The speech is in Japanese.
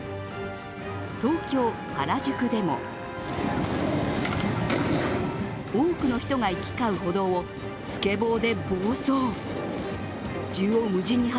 東京・原宿でも多くの人が行き交う歩道をスケボーで暴走。